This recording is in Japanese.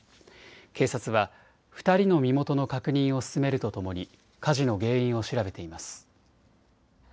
警察は２人の身元の確認を進めるとともに火事の原因を調べています。